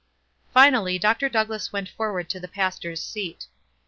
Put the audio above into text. Finally Dr. Douglass went forward to the pastors seat.